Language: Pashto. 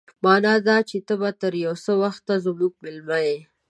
مانا دا چې ته به تر يو څه وخته زموږ مېلمه يې.